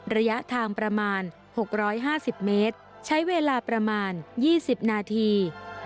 ระยะทางประมาณ๖๕๐เมตรใช้เวลาประมาณ๒๐นาที